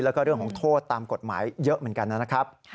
แล้วก็เรื่องของโทษตามกฎหมายเยอะเหมือนกันนะครับ